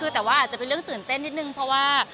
แต่ว่าอาจจะเป็นเรื่องตื่นเต้นนิดนึงเพราะว่า